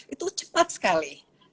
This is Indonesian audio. itu cepat sekali